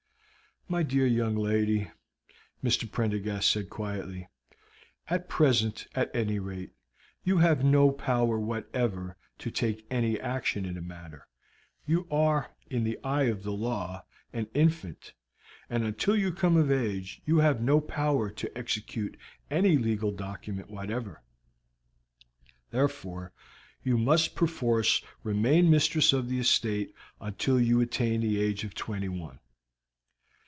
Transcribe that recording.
"My dear young lady," Mr. Prendergast said quietly, "at present, at any rate, you have no power whatever to take any action in the matter; you are, in the eye of the law, an infant, and until you come of age you have no power to execute any legal document whatever. Therefore you must perforce remain mistress of the estate until you attain the age of twenty one.